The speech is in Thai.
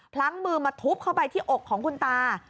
พลั้งมือมาทุบเข้าไปที่อกของคุณตา